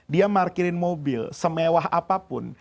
dia markirin mobil semewah apapun